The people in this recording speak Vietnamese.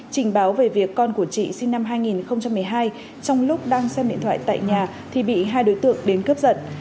trình báo về việc con của chị sinh năm hai nghìn một mươi hai trong lúc đang xem điện thoại tại nhà thì bị hai đối tượng đến cướp giật